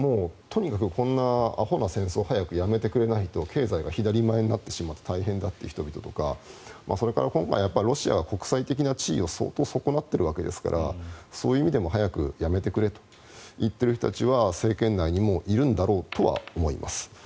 とにかく、こんなあほな戦争早くやめてくれないと経済が左前になってしまって大変だという人々とかそれから今回、ロシアは国際的な地位を相当損なっているわけですからそういう意味でも早くやめてくれと言っている人たちは政権内にもいるんだろうとは思います。